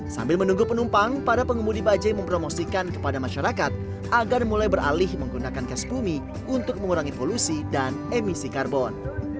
sambil menunggu penumpang para pengemudi bajai mempromosikan kepada masyarakat agar mulai beralih menggunakan gas bumi untuk mengurangi polusi dan emisi karbon